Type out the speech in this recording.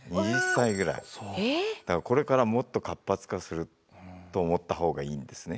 だからこれからもっと活発化すると思った方がいいんですね。